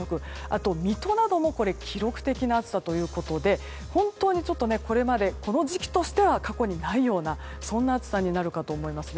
あと、水戸なども記録的な暑さということでこれまで、この時期としては過去にないようなそんな暑さになるかと思います。